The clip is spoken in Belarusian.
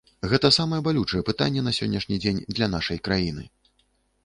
Гэта самае балючае пытанне на сённяшні дзень для нашай краіны.